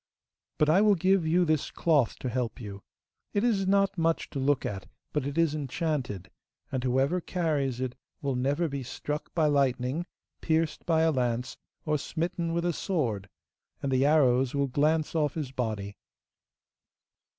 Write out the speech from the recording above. But I will give you this cloth to help you. It is not much to look at, but it is enchanted, and whoever carries it will never be struck by lightning, pierced by a lance, or smitten with a sword, and the arrows will glance off his body.